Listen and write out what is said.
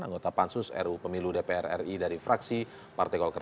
anggota pansus ru pemilu dpr ri dari fraksi partai golkar